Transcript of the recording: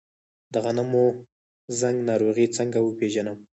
د غنمو زنګ ناروغي څنګه وپیژنم؟